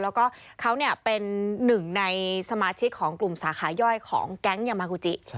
แล้วก็เขาเป็นหนึ่งในสมาชิกของกลุ่มสาขาย่อยของแก๊งยามากูจิ